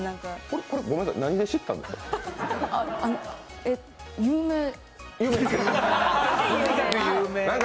これ、ごめんなさい何で知ったんですか？